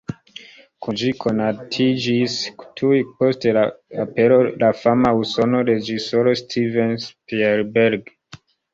Kun ĝi konatiĝis tuj post la apero la fama usona reĝisoro Steven Spielberg.